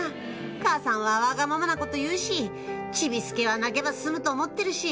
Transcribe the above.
「母さんはわがままなこと言うしちびすけは泣けば済むと思ってるし」